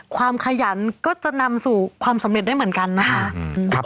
ขยันก็จะนำสู่ความสำเร็จได้เหมือนกันนะคะ